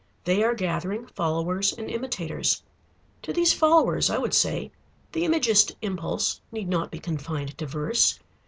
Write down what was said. They are gathering followers and imitators. To these followers I would say: the Imagist impulse need not be confined to verse.